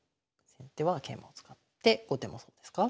先手は桂馬を使って後手もそうですか？